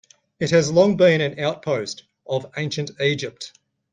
It has long been an outpost of ancient Egypt.